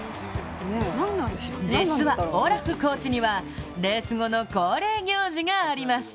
実はオラフコーチにはレース後の恒例行事があります。